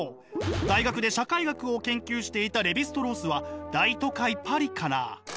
大学で社会学を研究していたレヴィ＝ストロースは大都会パリから。